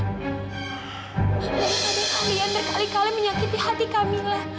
karena kalian berkali kali menyakiti hati kamila